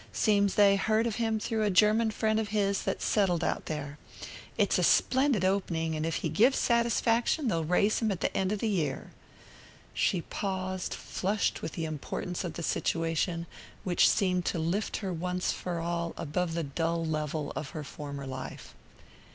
Seems they heard of him through a German friend of his that's settled out there. It's a splendid opening, and if he gives satisfaction they'll raise him at the end of the year." She paused, flushed with the importance of the situation, which seemed to lift her once for all above the dull level of her former life.